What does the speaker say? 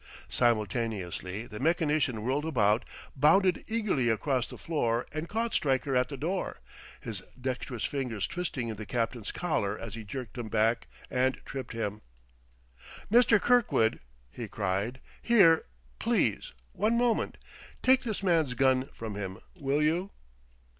Simultaneously the mechanician whirled about, bounded eagerly across the floor, and caught Stryker at the door, his dexterous fingers twisting in the captain's collar as he jerked him back and tripped him. "Mr. Kirkwood!" he cried. "Here, please one moment. Take this man's gun, from him, will you?"